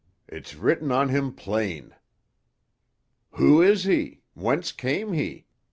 It's written on him plain. "Who is he? Whence came he?